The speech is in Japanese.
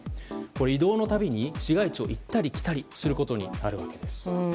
移動の度に市街地を行ったり来たりすることになるわけです。